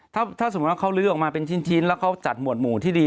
ถ้าสมมุติว่าเขาลื้อออกมาเป็นชิ้นแล้วเขาจัดหมวดหมู่ที่ดี